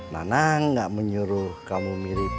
kang nanang gak menyuruh kamu mirip